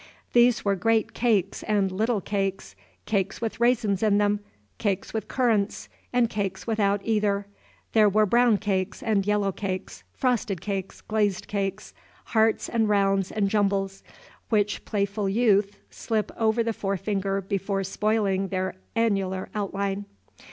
There were great cakes and little cakes, cakes with raisins in them, cakes with currants, and cakes without either; there were brown cakes and yellow cakes, frosted cakes, glazed cakes, hearts and rounds, and jumbles, which playful youth slip over the forefinger before spoiling their annular outline.